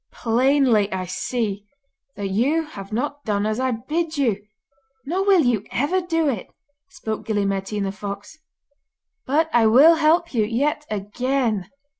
'Plainly I see that you have not done as I bid you, nor will you ever do it,' spoke Gille Mairtean the fox; 'but I will help you yet again.